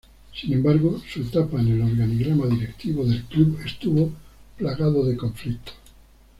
Sin embargo, su etapa en el organigrama directivo del club estuvo plagado de conflictos.